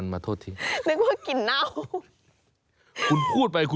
น้องเน้ง